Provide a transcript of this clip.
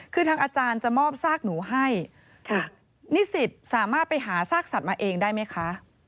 คือทางอาจารย์จะมอบซากหนูให้นิสิตสามารถไปหาซากสัตว์มาเองได้ไหมคะ